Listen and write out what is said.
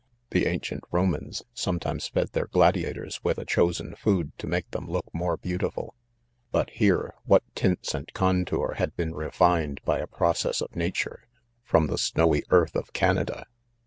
The ancient Romans, sometimes fed their gladiators with a chosen food, to make them look more beautiful 5 — but here, what tints and Contour had been refined by a pro cess of na ture, from the snowy earth of Canada